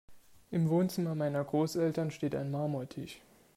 Im Wohnzimmer meiner Großeltern steht ein Marmortisch.